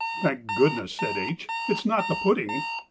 'Thank goodness,' said H., 'it's not the pudding.